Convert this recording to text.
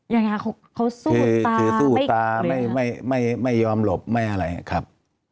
ยังไงครับเขาสู้ตาไม่ยอมหลบไม่อะไรครับ